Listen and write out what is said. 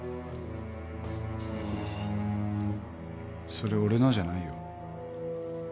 それ俺のじゃないよ。